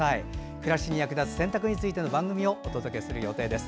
暮らしに役立つ洗濯の番組をお届けする予定です。